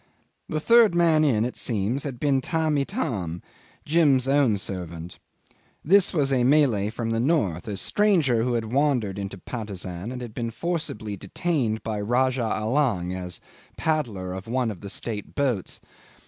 The third man in, it seems, had been Tamb' Itam, Jim's own servant. This was a Malay from the north, a stranger who had wandered into Patusan, and had been forcibly detained by Rajah Allang as paddler of one of the state boats.